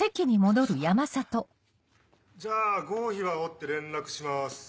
じゃあ合否は追って連絡します。